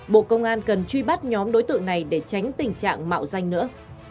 bộ công an cần truy bắt nhóm đối tượng này để tránh tình trạng mạo danh nữa